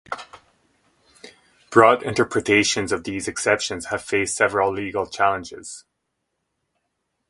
Broad interpretations of these exceptions have faced several legal challenges.